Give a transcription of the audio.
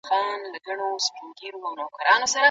که نجلۍ باسواده وي، هلک ته هيڅ مشکل نه جوړيږي.